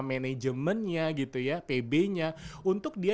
manajemennya gitu ya pb nya untuk dia